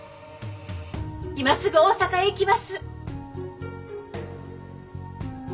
今すぐ大坂へ行きます。